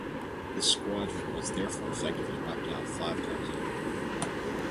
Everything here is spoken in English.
The squadron was therefore effectively wiped out five times over.